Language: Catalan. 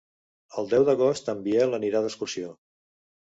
El deu d'agost en Biel anirà d'excursió.